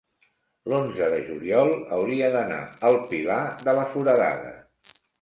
L'onze de juliol hauria d'anar al Pilar de la Foradada.